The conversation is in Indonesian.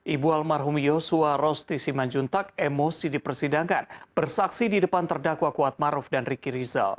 ibu almarhum yosua rosti simanjuntak emosi di persidangan bersaksi di depan terdakwa kuatmaruf dan riki rizal